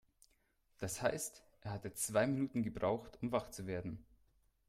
Das heißt, er hatte zwei Minuten gebraucht, um wach zu werden.